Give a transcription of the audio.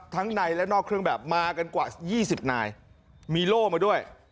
ทั้งในและนอกเครื่องแบบมากันกว่า๒๐นายมีโล่มาด้วย